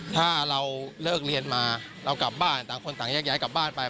ถ้าเราเลิกเรียนมาเรากลับบ้านต่างคนต่างแยกย้ายกลับบ้านไป